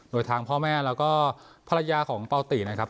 โดยทางพ่อแม่แล้วก็ภรรยาของปาตินะครับ